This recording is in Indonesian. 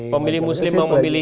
pemilih muslim yang memilih